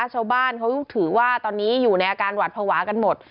ชาวบ้านเขาถือว่าตอนนี้อยู่ในอาการหวัดภาวะกันหมด